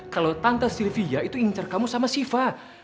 kalau tante sylvia itu incer kamu sama syifa